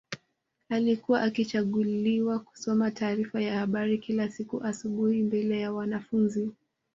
Alikuwa akichaguliwa kusoma taarifa ya habari kila siku asubuhi mbele ya wanafunzi